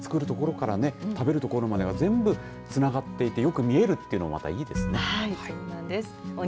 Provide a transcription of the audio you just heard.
自分で作るところから食べるところまでつながっていてよく見えるというのもまたいいですね。